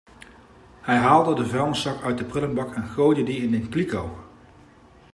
Hij haalde de vuilniszak uit de prullenbak en gooide die in een kliko.